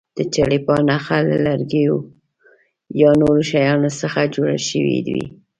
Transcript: د چلیپا نښه له لرګیو یا نورو شیانو څخه جوړه شوې وي.